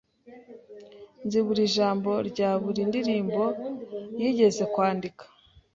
Nzi buri jambo rya buri ndirimbo yigeze kwandika.